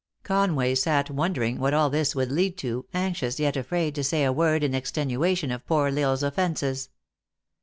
Conway sat wondering what all this would lead to, anxious, yet afraid, to say a word in extenuation of poor L Isle s offences.